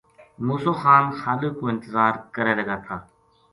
مُوسو خان خالق کو انتظار کرے لگا تھا